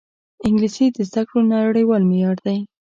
انګلیسي د زده کړو نړیوال معیار دی